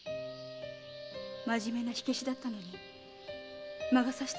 真面目な火消しだったのに魔がさしたんだね。